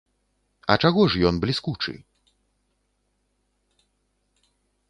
А чаго ж ён бліскучы?